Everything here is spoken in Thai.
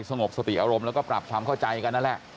สงบสติอารมณ์แล้วก็ปรับความเข้าใจกันนั่นแหละ